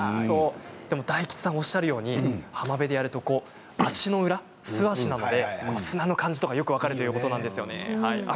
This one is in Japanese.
大吉さんがおっしゃるように浜辺でやると、足の裏素足なので砂の感じとかよく分かるということなんですよね。